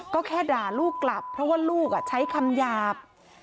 ก็แค่ด่าลูกกลับเพราะว่าลูกใช้คำหยาบ